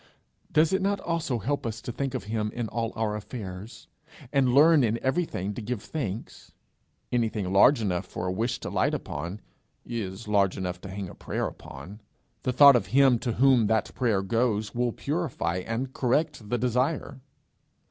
Does it not also help us to think of him in all our affairs, and learn in everything to give thanks? Anything large enough for a wish to light upon, is large enough to hang a prayer upon: the thought of him to whom that prayer goes will purify and correct the desire.